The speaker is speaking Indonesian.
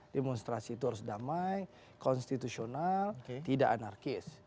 demonstrasi itu harus damai konstitusional tidak anarkis